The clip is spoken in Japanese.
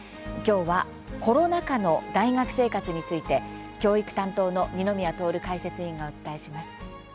きょうはコロナ禍の大学生活について教育担当の二宮徹解説委員がお伝えします。